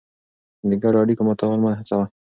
د ګډو اړیکو ماتول مه هڅوه.